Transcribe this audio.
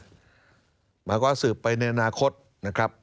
หมายความว่าสืบไปในอนาคตนะครับ